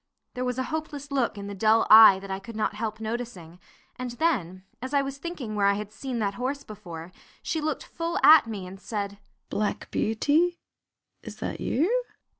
There was a hopeless look in the dull eye that I could not help noticing, and then, as I was thinking where I had seen that horse before, she looked full at me and said, "Black Beauty, is that you?"